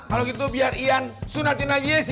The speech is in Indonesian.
kalau gitu biar ian sunatin lagi si mehmet